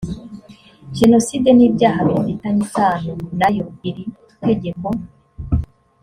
jenoside n ibyaha bifitanye isano na yo iri tegeko